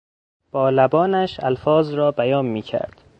با لبانش الفاظ را بیان میکرد.